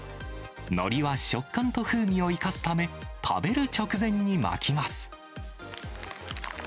のりは食感と風味を生かすため、食べる直前に巻きます。